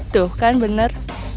tuh kan bener